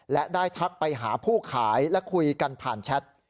และได้ทักไปหาผู้ขายและคุยกันผ่านแชท